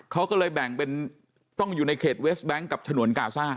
เขาก็เลยแบ่งเป็นต้องอยู่ในเขตเวสแบงค์กับฉนวนกาซ่า